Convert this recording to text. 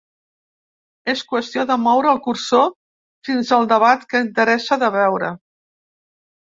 És qüestió de moure el cursor fins al debat que interessa de veure.